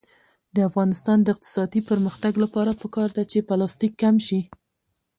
د افغانستان د اقتصادي پرمختګ لپاره پکار ده چې پلاستیک کم شي.